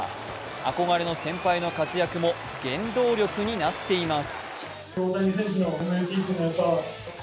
憧れの先輩の活躍も原動力になっています。